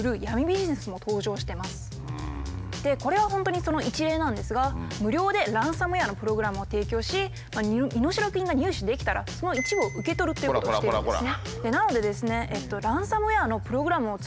これは本当にその一例なんですが無料でランサムウエアのプログラムを提供し身代金が入手できたらその一部を受け取るということをしてるんですね。